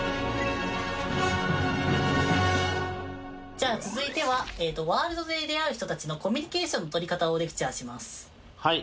じゃあ続いてはワールドで出会う人たちのコミュニケーションの取り方をレクチャーします。